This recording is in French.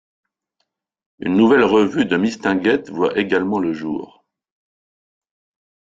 Une nouvelle revue de Mistinguett voit également le jour.